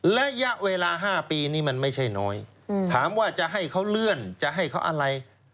ระยะเวลา๕ปีนี้มันไม่ใช่น้อยถามว่าจะให้เขาเลื่อนจะให้เขาอะไร